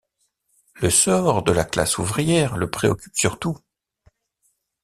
Le sort de la classe ouvrière le préoccupe surtout.